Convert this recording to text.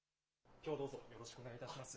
きょうはどうぞよろしくお願いいたします。